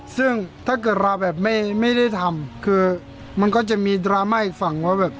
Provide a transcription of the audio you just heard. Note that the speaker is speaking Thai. ซึ่งถ้าเกิดเราแบบไม่ได้ทำคือมันก็จะมีดราม่าอีกฝั่งว่าแบบ